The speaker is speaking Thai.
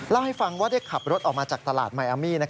เล่าให้ฟังว่าได้ขับรถออกมาจากตลาดมายอามี